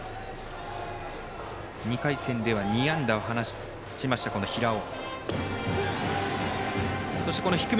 ２回戦では２安打を放ちました、平尾。